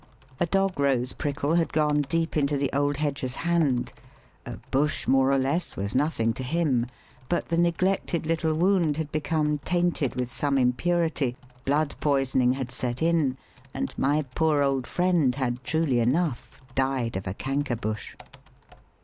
A Dog rose prickle had gone deep into the old hedger's hand a "bush" more or less was nothing to him, but the neglected little wound had become tainted with some impurity, blood poisoning had set in, and my poor old friend had truly enough "died of a canker bush."